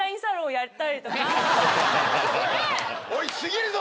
おいすぎるぞ！